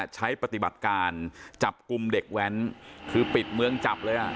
ใช้ปฏิบัติการจับกลุ่มเด็กแว้นคือปิดเมืองจับเลยอ่ะ